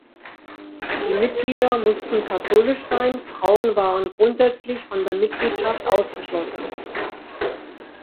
Die Mitglieder mussten katholisch sein, Frauen waren grundsätzlich von der Mitgliedschaft ausgeschlossen.